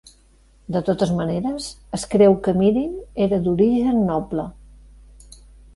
De totes maneres, es creu que Mirin era d'origen noble.